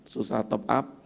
susah top up